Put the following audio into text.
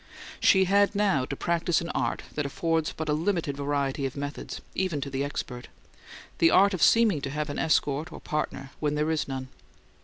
She had now to practice an art that affords but a limited variety of methods, even to the expert: the art of seeming to have an escort or partner when there is none.